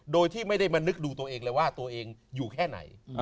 โดยที่ไม่ได้มานึกดูตัวเองเลยว่าตัวเองอยู่แค่ไหน